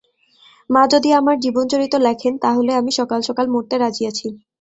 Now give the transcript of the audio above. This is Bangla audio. মা যদি আমার জীবনচরিত লেখেন তা হলে আমি সকাল সকাল মরতে রাজি আছি।